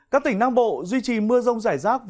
các tỉnh nam bộ duy trì mưa rông rải rác